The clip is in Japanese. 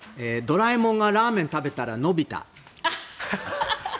ドラえもんがラーメン食べたら、のびた。